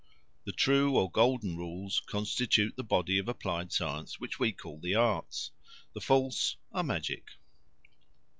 The true or golden rules constitute the body of applied science which we call the arts; the false are magic.